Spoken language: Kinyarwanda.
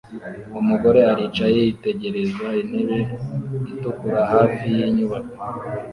Umugore aricaye yitegereza intebe itukura hafi yinyubako